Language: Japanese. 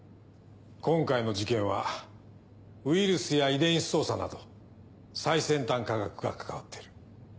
今回の事件はウイルスや遺伝子操作など最先端科学が関わってる。